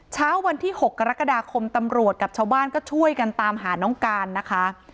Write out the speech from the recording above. เช้าวันที่๖กรกฎาคมตำรวจกับชาวบ้านก็ช่วยกันตามหาน้องการนะคะ